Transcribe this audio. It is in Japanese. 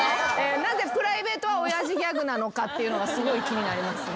なぜプライベートは親父ギャグなのかっていうのがすごい気になりますね。